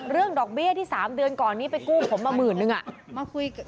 ดอกเบี้ยที่๓เดือนก่อนนี้ไปกู้ผมมาหมื่นนึง